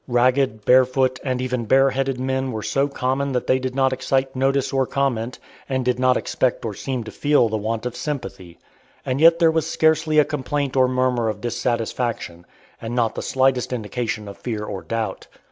Ragged, barefooted, and even bareheaded men were so common that they did not excite notice or comment, and did not expect or seem to feel the want of sympathy. And yet there was scarcely a complaint or murmur of dissatisfaction, and not the slightest indication of fear or doubt.